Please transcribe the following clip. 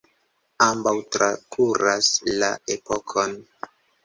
Ambaŭ trakuras la epokon.